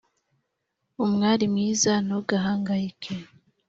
umwari mwiza ntugahangayike